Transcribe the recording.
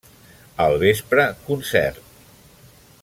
Al vespre, concert.